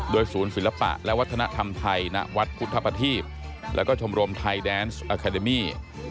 โดยศูนย์ศิลปะและวัฒนธรรมไทยณวัฒนธรรมพุทธปฏิบและก็ชมรมไทยแดนส์แอคาเดมี่